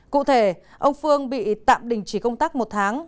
cụ thể ông phương bị tạm đình chỉ công tác một tháng